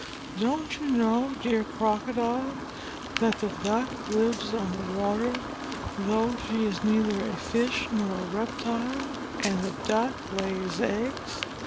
Don't you know, dear Crocodile, that the Duck lives on the water, though she is neither a fish nor a reptile? And the Duck lays eggs.